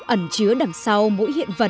ẩn chứa đằng sau mỗi hiện vật